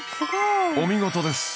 お見事です！